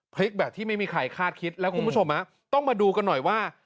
พลิกแบบที่ไม่มีใครคาดคิดแล้วคุณผู้ชมต้องมาดูกันหน่อยว่า